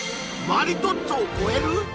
マリトッツォを超える！？